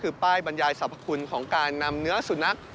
คือป้ายบรรยายสรรพคุณของการนำเนื้อสุนัข